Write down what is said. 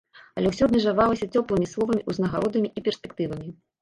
Але ўсё абмежавалася цёплымі словамі, узнагародамі і перспектывамі.